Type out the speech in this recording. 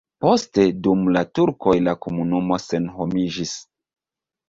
Poste dum la turkoj la komunumo senhomiĝis.